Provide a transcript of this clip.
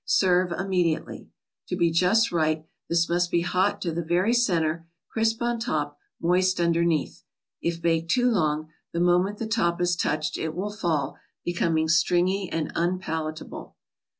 Serve immediately. To be just right, this must be hot to the very center, crisp on top, moist underneath. If baked too long, the moment the top is touched it will fall, becoming stringy and unpalatable.